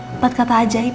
empat kata ajaib